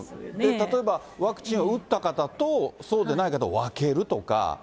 例えばワクチンを打った方とそうでない方を分けるとか。